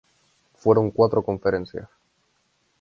Fueron cuatro conferencias.